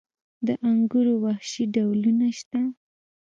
د انګورو وحشي ډولونه شته؟